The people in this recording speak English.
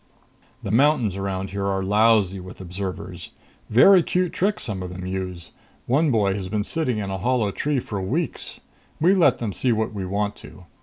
"The mountains around here are lousy with observers. Very cute tricks some of them use one boy has been sitting in a hollow tree for weeks. We let them see what we want to.